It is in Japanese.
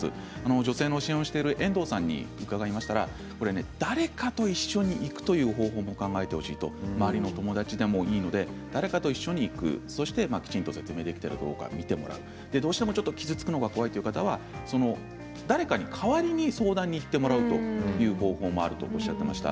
女性の支援をしている遠藤さんに伺いましたら誰かと一緒に行くという方法も考えてほしいと周りの友達でもいいので誰かと一緒に行くそしてきちんと説明できたかどうか見てもらうどうしても傷つくのが怖いという方は誰かに代わりに相談に行ってもらうという方法もあるとおっしゃっていました。